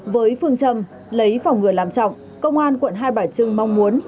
với phương trầm lấy phòng ngừa làm trọng công an quận hai bảy trưng mong muốn